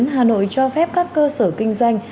hà nội cho phép các cơ sở kinh doanh